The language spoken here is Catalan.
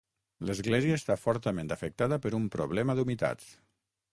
L'església està fortament afectada per un problema d'humitats.